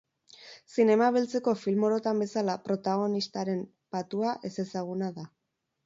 Zinema beltzeko film orotan bezala, protagonistaren patua ezezaguna da.